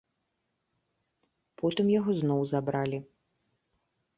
Потым яго зноў забралі.